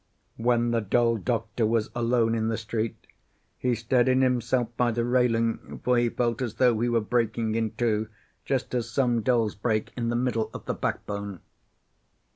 When the doll doctor was alone in the street, he steadied himself by the railing, for he felt as though he were breaking in two, just as some dolls break, in the middle of the backbone.